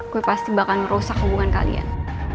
gue pasti bakal merusak hubungan kalian